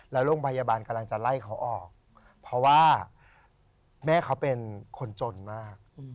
แล้วโรงพยาบาลกำลังจะไล่เขาออกเพราะว่าแม่เขาเป็นคนจนมาก